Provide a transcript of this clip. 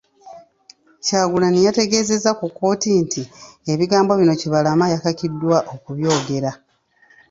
Kyagulanyi yategeezezza ku kkooti nti, ebigambo bino Kibalama yakakiddwa okubyogera.